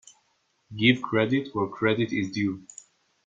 Give credit where credit is due.